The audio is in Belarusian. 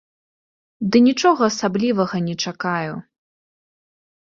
Ды нічога асаблівага не чакаю.